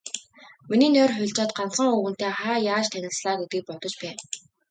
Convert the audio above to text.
Миний нойр хулжаад, ганцхан, өвгөнтэй хаа яаж танилцлаа гэдгийг бодож байв.